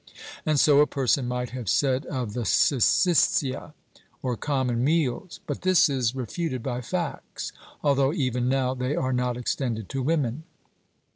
And so a person might have said of the syssitia, or common meals; but this is refuted by facts, although even now they are not extended to women.